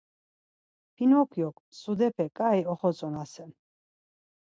Pinokyok mtsudepe ǩai oxotzonasen.